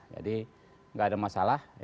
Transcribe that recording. jadi gak ada masalah